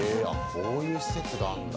こういう施設があるんだ。